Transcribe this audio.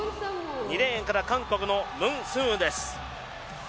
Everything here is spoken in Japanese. ２レーンから韓国のムン・スンウです。